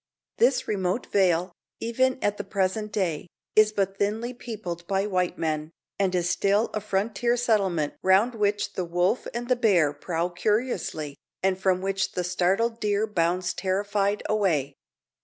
This remote vale, even at the present day, is but thinly peopled by white men, and is still a frontier settlement round which the wolf and the bear prowl curiously, and from which the startled deer bounds terrified away.